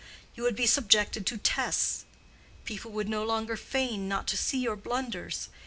You would be subjected to tests; people would no longer feign not to see your blunders.